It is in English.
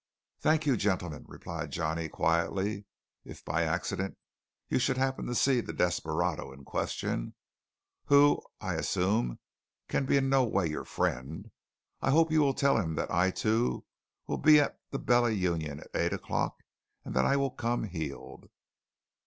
"Thank you, gentlemen," replied Johnny quietly. "If by accident you should happen to see the desperado in question who, I assume, can be in no way your friend I hope you will tell him that I, too, will be at the Bella Union at eight o'clock, and that I will come heeled."